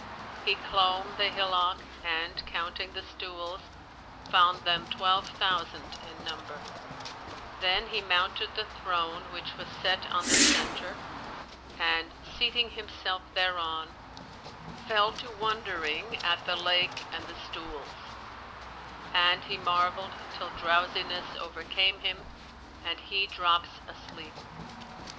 He clomb the hillock and, counting the stools, found them twelve thousand in number; then he mounted the throne which was set on the centre and, seating himself thereon, fell to wondering at the lake and the stools, and he marvelled till drowsiness overcame him and he drops asleep.